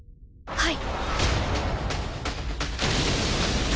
はい。